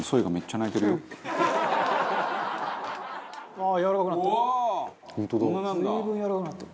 「ああやわらかくなった。